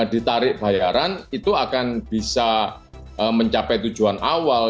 ditarik bayaran itu akan bisa mencapai tujuan awal